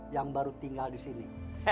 yang baru tinggal disini